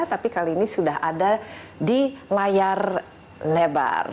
tapi kali ini sudah ada di layar lebar